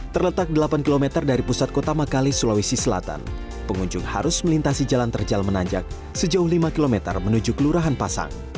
terletak delapan km dari pusat kota makale sulawesi selatan pengunjung harus melintasi jalan terjal menanjak sejauh lima km menuju kelurahan pasang